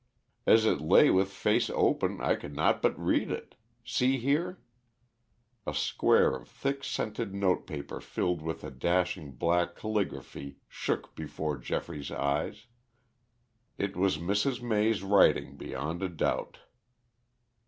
As it lay with face open I could not but read it. See here!" A square of thick scented notepaper filled with a dashing black caligraphy shook before Geoffrey's eyes. It was Mrs. May's writing beyond a doubt.